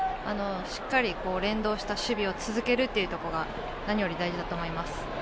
しっかり連動した守備を続けることが何より大事だと思います。